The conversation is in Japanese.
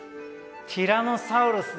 ティラノサウルスですな。